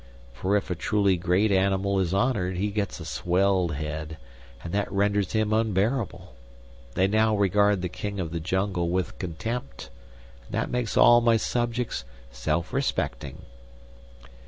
For if a truly great animal is honored he gets a swelled head, and that renders him unbearable. They now regard the King of the Jungle with contempt, and that makes all my subjects self respecting."